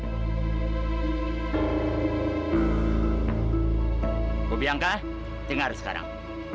ibu bianca dengar sekarang